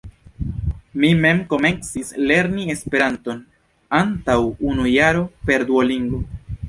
Mi mem komencis lerni Esperanton antaŭ unu jaro per Duolingo.